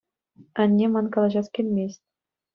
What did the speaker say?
Анне, ман калаҫас килмест.